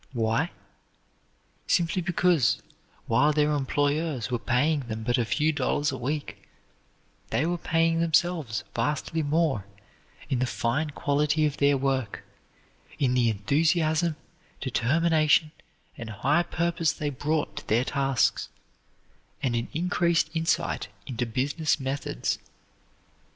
Why? Simply because, while their employers were paying them but a few dollars a week, they were paying themselves vastly more in the fine quality of their work, in the enthusiasm, determination, and high purpose they brought to their tasks, and in increased insight into business methods.